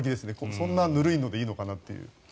そんなぬるいのでいいのかなと。